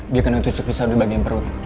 dia kena cucuk pisau di bagian perut